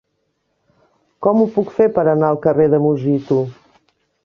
Com ho puc fer per anar al carrer de Musitu?